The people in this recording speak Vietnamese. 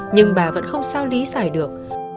nhưng bà vẫn không sao lý giải được